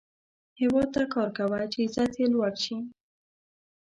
هیواد ته کار کوه، چې عزت یې لوړ شي